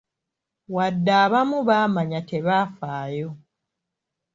Wadde abamu baamanya tebaafayo.